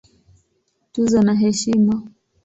Tuzo na Heshima